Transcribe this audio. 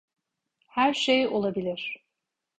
Her şey olabilir.